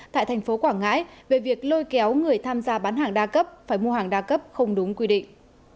tại thành phố quảng ngãi về việc lôi kéo người tham gia bán hàng đa cấp phải mua hàng đa cấp không đúng quy định